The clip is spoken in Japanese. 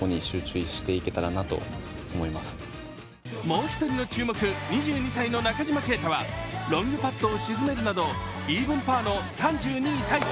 もう一人の注目２２歳の中島啓太はロングパットを沈めるなどイーブンパーの３２位タイ。